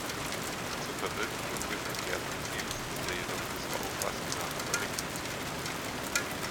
Zur Verwirklichung des erklärten Ziels ist er jedoch unserer Auffassung nach völlig unzulänglich.